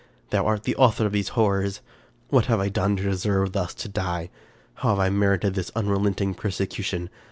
Thou art the author of these horrors! What have I done to deserve thus to die? How have I merited this unrelenting persecution?